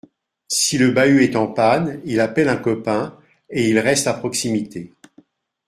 Si le bahut est en panne, il appelle un copain et il reste à proximité.